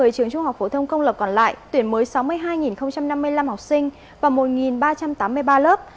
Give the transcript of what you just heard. một mươi trường trung học phổ thông công lập còn lại tuyển mới sáu mươi hai năm mươi năm học sinh và một ba trăm tám mươi ba lớp